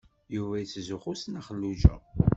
Yuba yettzuxxu s Nna Xelluǧa.